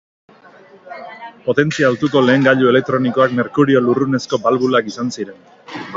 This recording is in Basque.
Potentzia altuko lehen gailu elektronikoak merkurio lurrunezko balbulak izan ziren.